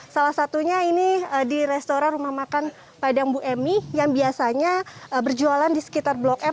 salah satunya ini di restoran rumah makan padang bu emy yang biasanya berjualan di sekitar blok m